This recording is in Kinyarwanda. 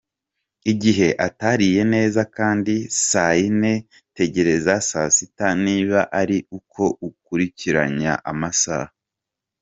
Igihe atariye neza kandi saa yine, tegereza saa sita niba ari uko ukurikiranya amasaha.